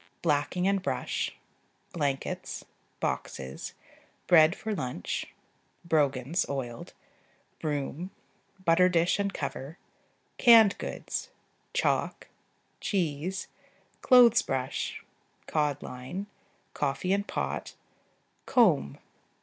Blacking and brush. Blankets. Boxes. Bread for lunch. Brogans (oiled). Broom. Butter dish and cover. Canned goods. Chalk. Cheese. Clothes brush. Cod line. Coffee and pot. Comb.